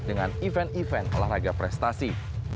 dengan event event olahraga prestasi